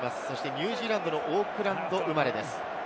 ニュージーランドのオークランド生まれです。